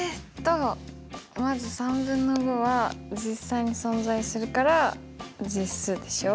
まずは実際に存在するから実数でしょ。